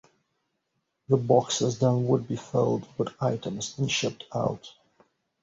The boxes then would be filled with items and shipped out.